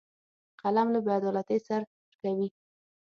قلم له بیعدالتۍ سر ټکوي